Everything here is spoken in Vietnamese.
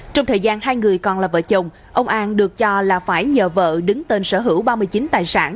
trong thời gian hai người còn là vợ chồng ông an được cho là phải nhờ vợ đứng tên sở hữu ba mươi chín tài sản